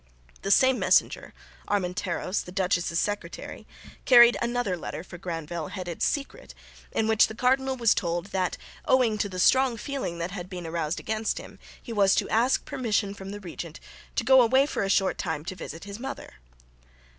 The same messenger (Armenteros, the duchess' secretary) carried another letter for Granvelle headed "secret," in which the cardinal was told that "owing to the strong feeling that had been aroused against him, he was to ask permission from the regent to go away for a short time to visit his mother."